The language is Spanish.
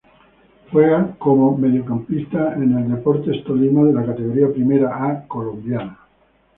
Juega como mediocampista en el Deportes Tolima de la Categoría Primera A colombiana.